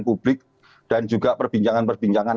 publik dan juga perbincangan perbincangan